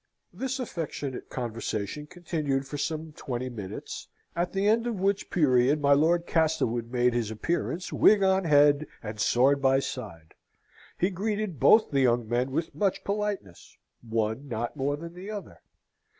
This affectionate conversation continued for some twenty minutes, at the end of which period my Lord Castlewood made his appearance, wig on head, and sword by side. He greeted both the young men with much politeness: one not more than the other.